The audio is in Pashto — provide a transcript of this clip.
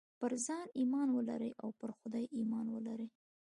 پر ځان ايمان ولرئ او پر خدای ايمان ولرئ.